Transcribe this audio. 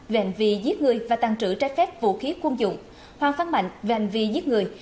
về hành vi giết người và tàn trữ trái phép vũ khí quân dụng hoàng phát mạnh về hành vi giết người